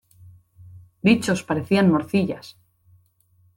Dichos parecían morcillas.